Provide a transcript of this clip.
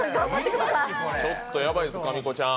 ちょっとヤバいですかみこちゃん。